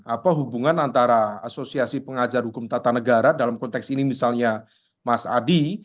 apa hubungan antara asosiasi pengajar hukum tata negara dalam konteks ini misalnya mas adi